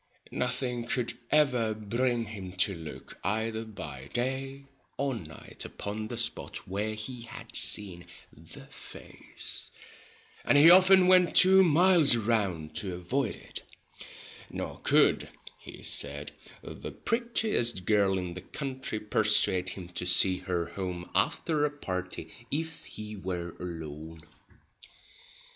Nothing could ever bring him to look, either by day or night, upon the spot where he had seen the face, and he often went two miles round to avoid it ; nor could, he said, 'the prettiest girl in the country ' persuade him to see her home after a party if he were alone.